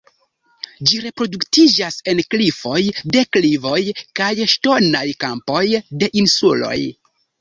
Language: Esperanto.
Ĝi reproduktiĝas en klifoj, deklivoj kaj ŝtonaj kampoj de insuloj.